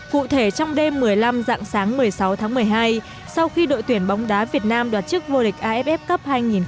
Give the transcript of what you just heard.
cụ thể trong đêm một mươi năm dạng sáng một mươi sáu tháng một mươi hai sau khi đội tuyển bóng đá việt nam đoạt chức vô địch aff cup hai nghìn một mươi tám